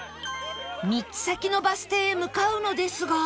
３つ先のバス停へ向かうのですが